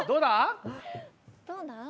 どうだろ？